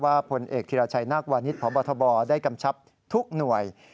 พลเอกธิรชัยนาควานิสพบทบได้กำชับทุกหน่วย